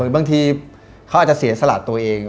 บางทีเขาอาจจะเสียสละตัวเอง